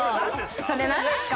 それなんですか？